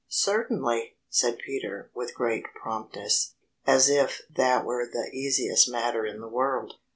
"Certainly!" said Peter Mink with great promptness, as if that were the easiest matter in the world.